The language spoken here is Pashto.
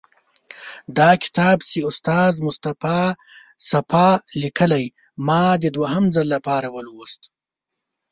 دا کتاب چې استاد مصطفی صفا لیکلی، ما د دوهم ځل لپاره ولوست.